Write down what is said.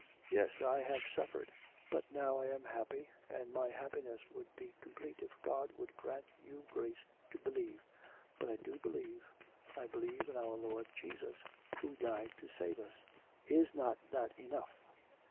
'Yes; I have suffered. But now I am happy, and my happiness would be complete if God would grant you grace to believe....' 'But I do believe. I believe in our Lord Jesus who died to save us. Is not that enough?'